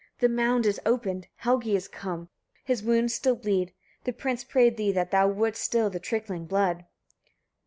The mound is opened, Helgi is come, his wounds still bleed; the prince prayed thee that thou wouldst still the trickling blood.